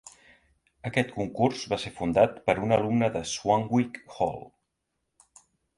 Aquest concurs va ser fundat per un alumne de Swanwick Hall.